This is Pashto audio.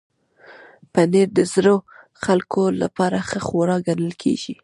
پنېر د زړو خلکو لپاره ښه خواړه ګڼل کېږي.